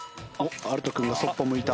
アルト君がそっぽ向いた。